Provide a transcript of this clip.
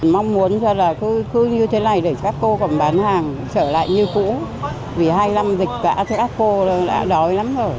mong muốn là cứ như thế này để các cô còn bán hàng trở lại như cũ vì hai năm dịch cả thì các cô đã đói lắm rồi